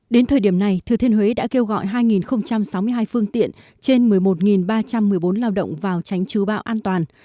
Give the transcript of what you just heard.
đến thời điểm này thừa thiên huế đã kêu gọi hai sáu mươi hai phương tiện trên một mươi một ba trăm một mươi bốn lao động vào tránh chú bão an toàn